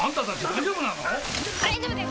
大丈夫です